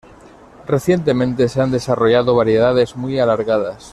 Recientemente se han desarrollado variedades muy alargadas.